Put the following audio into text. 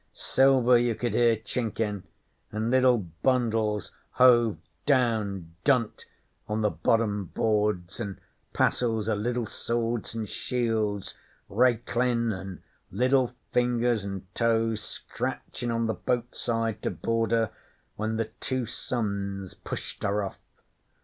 Silver you could hear chinkin', an' liddle bundles hove down dunt on the bottom boards, an' passels o' liddle swords an' shields raklin', an' liddle fingers an' toes scratchin' on the boatside to board her when the two sons pushed her off.